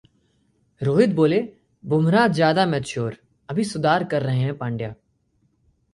रोहित बोले- बुमराह ज्यादा मैच्योर, अभी सुधार कर रहे हैं पंड्या